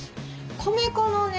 米粉のね